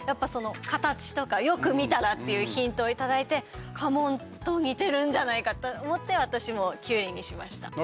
形とか、よく見たらっていうヒントをいただいて家紋と似てるんじゃないかと思って、私もキュウリにしました。